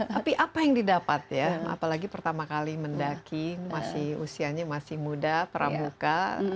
tapi apa yang didapat ya apalagi pertama kali mendaki masih usianya masih muda pramuka